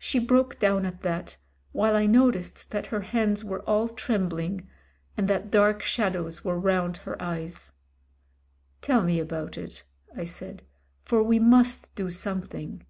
She broke down at that, while I noticed that her hands were all trembling, and that dark shadows were round her eyes. "Tell me about it," I said, "for we must do some thing."